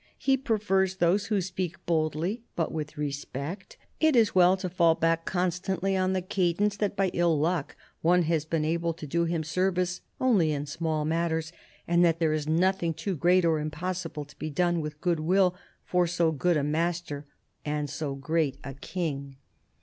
He prefers those who speak boldly — but with respect. It is well to fall back constantly on the cadence that by ill luck one has been able to do him service only in small matters, and that there is nothing too great or impossible to be done, with good will, for so good a master and so great a king.